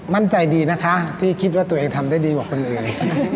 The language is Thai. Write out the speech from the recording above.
มั่นใจดีนะคะที่คิดว่าตัวเองทำได้ดีกว่าคนอื่น